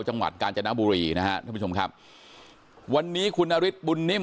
จังหวัดกาญจนบุรีนะฮะท่านผู้ชมครับวันนี้คุณนฤทธิบุญนิ่ม